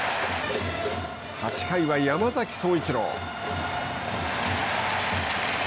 ８回は山崎颯一郎。